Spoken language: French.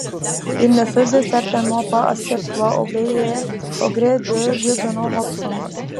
Il ne faisait certainement pas assez froid, au gré du lieutenant Hobson.